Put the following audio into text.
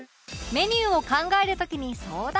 メニューを考える時に相談